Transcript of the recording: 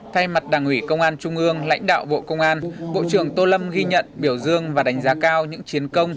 thay mặt đảng ủy công an trung ương lãnh đạo bộ công an bộ trưởng tô lâm ghi nhận biểu dương và đánh giá cao những chiến công